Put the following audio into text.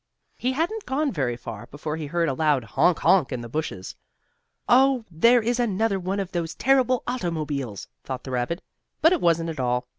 He hadn't gone very far before he heard a loud "Honk honk!" in the bushes. "Oh, there is another one of those terrible automobiles!" thought the rabbit. But it wasn't at all.